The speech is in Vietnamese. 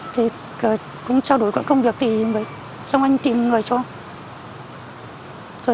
thì cũng trao đổi qua công việc xong anh tìm người cho